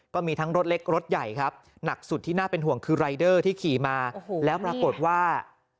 ก็มีทั้งรถเล็กรถใหญ่ครับหนักสุดที่น่าเป็นห่วงคือรายเดอร์ที่ขี่มาแล้วปรากฏว่า